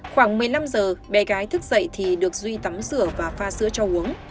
khoảng một mươi năm giờ bé gái thức dậy thì được duy tắm sửa và pha sữa cho uống